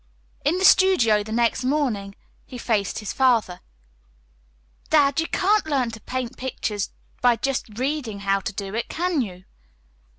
In the studio the next morning he faced his father. "Dad, you can't learn to paint pictures by just READING how to do it, can you?"